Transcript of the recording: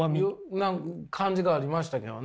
な感じがありましたけどね。